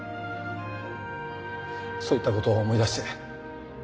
そういったことを思い出して。